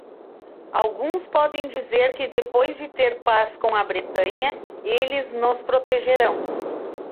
Alguns podem dizer que, depois de ter paz com a Bretanha, eles nos protegerão.